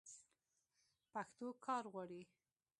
پښتو کار غواړي.